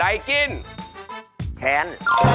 ใดกิ้นแทน